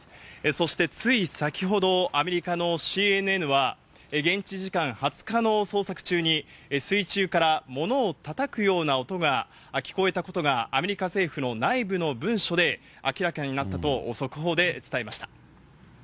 そしてつい先ほど、アメリカのＣＮＮは、現地時間２０日の捜索中に、水中から物をたたくような音が聞こえたことが、アメリカ政府の内部の文書で明らかになったと速報で伝えました。